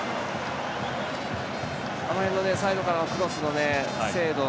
あの辺のサイドからのクロスの精度。